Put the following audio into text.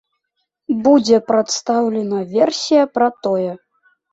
Будзе прадстаўлена версія пра тое.